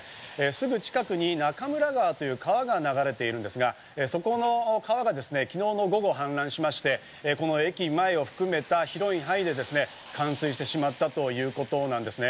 すぐ近くに中村川という川が流れているんですが、そこの川がですね、昨日の午後、氾濫しまして駅前を含めた広い範囲で冠水してしまったということです。